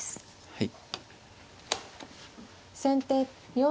はい。